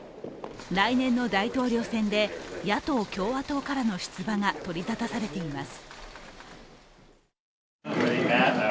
来年の大統領選で野党・共和党からの出馬が取りざたされています。